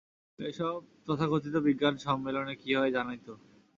এসব তথাকথিত বিজ্ঞান সম্মেলনে কী হয় জানোই তো।